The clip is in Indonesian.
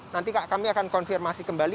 nanti kami akan konfirmasi kembali